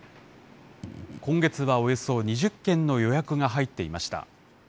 今月はおよそ２０件の予約が入っていました。